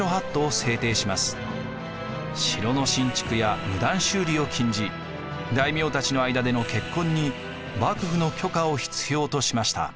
城の新築や無断修理を禁じ大名たちの間での結婚に幕府の許可を必要としました。